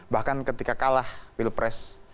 bahkan ketika kalah pilpres